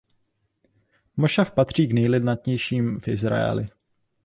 Mošav patří k nejlidnatějším v Izraeli.